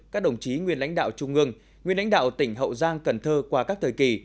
các đồng chí nguyên lãnh đạo trung ương nguyên lãnh đạo tỉnh hậu giang cần thơ qua các thời kỳ